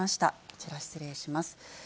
こちら失礼します。